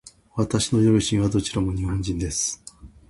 私の両親はどちらとも日本人です。